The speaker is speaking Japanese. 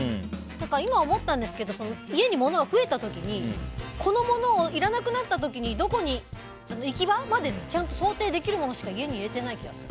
今、思ったんですけど家に物が増えた時にこの物をいらなくなった時にどこに、行き場までちゃんと想定できるものしか家に入れてないから。